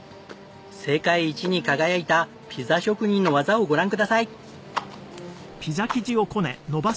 世界一に輝いたピザ職人の技をご覧ください！